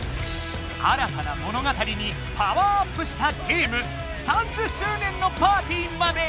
新たな物語にパワーアップしたゲーム３０周年のパーティーまで！